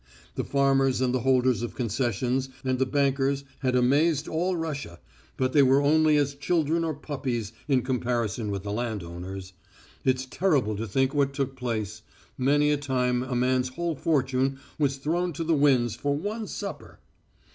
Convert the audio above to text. The farmers and the holders of concessions and the bankers had amazed all Russia, but they were only as children or puppies in comparison with the landowners. It's terrible to think what took place. Many a time a man's whole fortune was thrown to the winds for one supper.